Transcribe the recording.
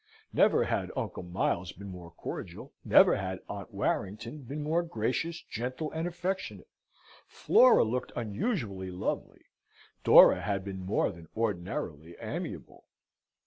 Never had Uncle Miles been more cordial, never had Aunt Warrington been more gracious, gentle, and affectionate; Flora looked unusually lovely, Dora had been more than ordinarily amiable.